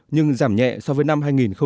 nhưng giảm nhẹ so với năm hai nghìn một mươi bảy